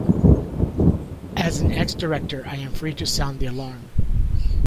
As an ex-director, I am free to sound the alarm.